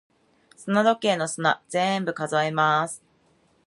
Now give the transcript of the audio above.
砂時計の砂、全部数えます。